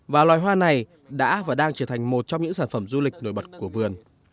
và loài hoa này đã và đang trở thành một trong những sản phẩm du lịch nổi bật của vườn